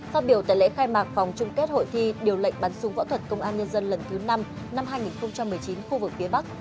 phát biểu tại lễ khai mạc vòng chung kết hội thi điều lệnh bắn súng võ thuật công an nhân dân lần thứ năm năm hai nghìn một mươi chín khu vực phía bắc